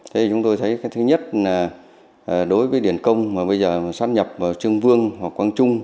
thế thì chúng tôi thấy cái thứ nhất là đối với điển công mà bây giờ sát nhập vào trương vương hoặc quang trung